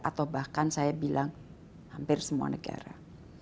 atau bahkan saya bilang hampir semua negara